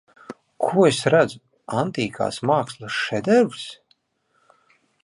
Ko es redzu Antīkās mākslas šedevrs.